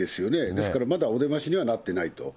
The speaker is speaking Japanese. ですからまだお出ましにはなってないと。